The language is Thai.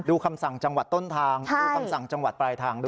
คำสั่งจังหวัดต้นทางดูคำสั่งจังหวัดปลายทางด้วย